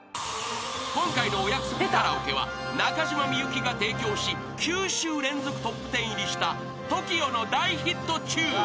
［今回のお約束カラオケは中島みゆきが提供し９週連続トップテン入りしたＴＯＫＩＯの大ヒットチューン］